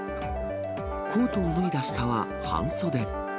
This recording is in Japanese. コートを脱いだ下は半袖。